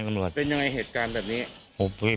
เป็นยังไงเหตุการณ์แบบนี้